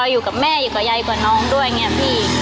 อยู่กับแม่อยู่กับยายกว่าน้องด้วยอย่างนี้พี่